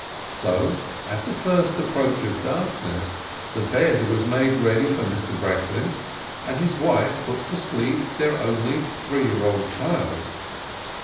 So, at the first approach of darkness, the bed was made ready for Mr. Breklin, and his wife put to sleep their only, three year old child.